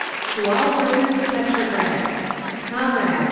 "To All Workers of Petrograd! "Comrades!